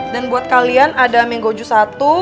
dan buat kalian ada mango juice satu